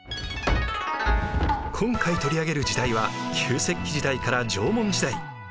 今回取り上げる時代は旧石器時代から縄文時代。